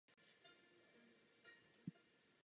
Z Lyonu se musí vydat do Paříže pěšky.